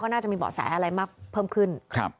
น่าจะมีเบาะแสอะไรมากเพิ่มขึ้น